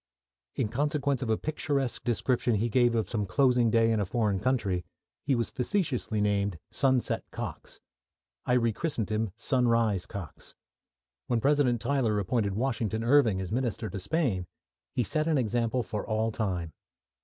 In consequence of a picturesque description he gave of some closing day in a foreign country, he was facetiously nicknamed "Sunset Cox." I rechristened him "Sunrise Cox." When President Tyler appointed Washington Irving as Minister to Spain, he set an example for all time.